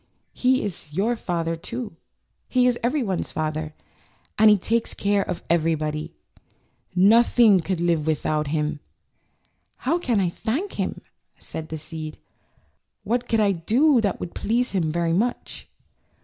^' "He is your Father, too. He is everyone^s Father, and takes care of everybody. Noth ing could live without him.'' "How can I thank him," said the seed. "What could I do that would please him very much?"